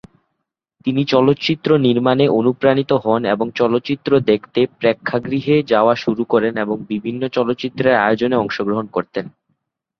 তিনি চলচ্চিত্র নির্মাণে অনুপ্রাণিত হন এবং চলচ্চিত্র দেখতে প্রেক্ষাগৃহে যাওয়া শুরু করেন এবং বিভিন্ন চলচ্চিত্রের আয়োজনে অংশগ্রহণ করতেন।